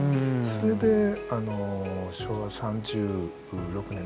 それであの昭和３６年。